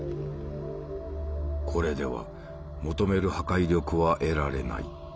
これでは求める破壊力は得られない。